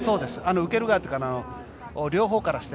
受ける側というか両方からして。